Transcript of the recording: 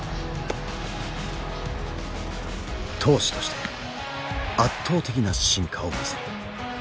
投手として圧倒的な進化を見せる。